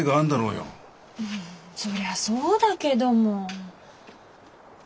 うんそりゃそうだけども。